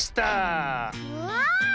うわ！